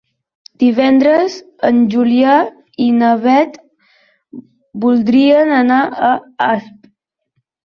Divendres en Julià i na Beth voldrien anar a Asp.